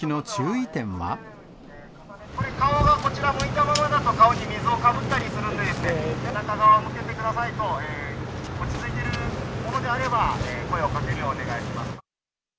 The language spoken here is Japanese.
これ、顔がこちら向いたままだと、顔に水をかぶったりするので、背中側を向けてくださいと、落ち着いてるものであれば、声をかけるようお願いします。